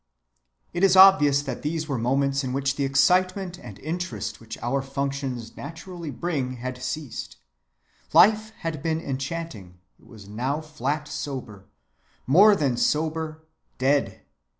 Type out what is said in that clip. It is obvious that these were moments in which the excitement and interest which our functions naturally bring had ceased. Life had been enchanting, it was now flat sober, more than sober, dead.